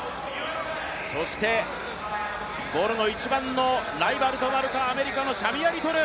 そして、ボルの一番のライバルとなるかアメリカのシャミア・リトル。